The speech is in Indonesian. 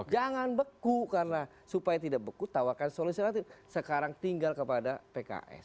jangan beku karena supaya tidak beku tawakan solusi alternatif sekarang tinggal kepada pks